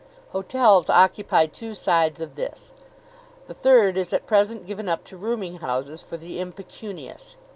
Hotels occupy two sides of this; the third is at present given up to rooming houses for the impecunious.